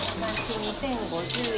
２０５０円？